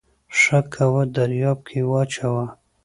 ښه کوه دریاب کې واچوه